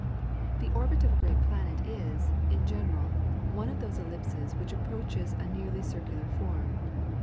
The orbit of a great planet is, in general, one of those ellipses which approaches a nearly circular form.